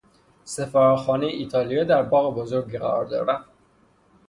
سفارتخانهی ایتالیا در باغ بزرگی قرار دارد.